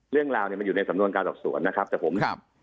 เรื่องราวเนี่ยมันอยู่ในสำนวนการสอบสวนนะครับแต่ผมเนี่ย